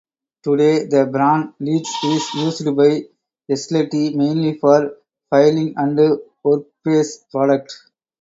Today the brand Leitz is used by Esselte mainly for filing and workspace products.